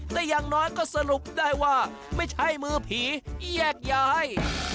แต่อย่างน้อยก็สรุปได้ว่าไม่ใช่มือผีแยกย้าย